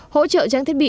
hỗ trợ trang thiết bị